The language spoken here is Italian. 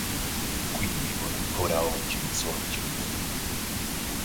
Qui vivono ancora oggi i suoi genitori.